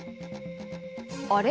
あれ？